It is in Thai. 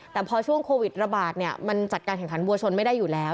แต่พอช่วงโควิดระบาดเนี่ยมันจัดการแข่งขันวัวชนไม่ได้อยู่แล้ว